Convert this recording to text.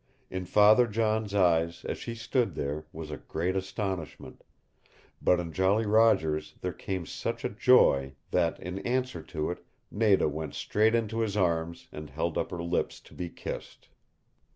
In Father John's eyes, as she stood there, was a great astonishment; but in Jolly Roger's there came such a joy that, in answer to it, Nada went straight into his arms and held up her lips to be kissed.